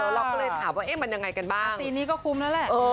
เราก็เลยถามว่ามันอย่างไรกันบ้างหรือดื่มนี้ก็คุ้มนั้นแหละ